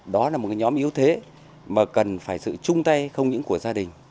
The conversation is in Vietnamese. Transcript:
đó là một cái nhóm yếu thế mà cần phải giữ chung tay không những của gia đình